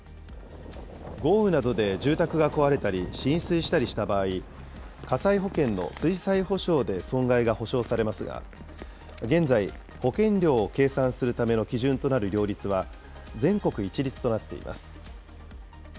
豪雨などで住宅が壊れたり浸水したりした場合、火災保険の水災補償で損害が補償されますが、現在、保険料を計算するための基準となる料率は全国一律となっています。